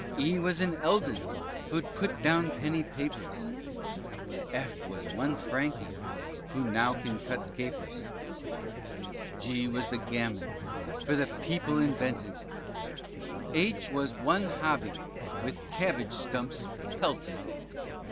E was an Eldon, who'd put down penny papers, F was one Franky, who now can cut capers. G was the Gammon for the people invented, H was one Hobby with cabbage stumps pelted.